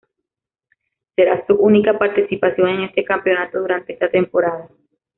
Será su única participación en este campeonato durante esa temporada.